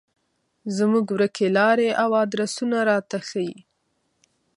زموږ ورکې لارې او ادرسونه راته ښيي.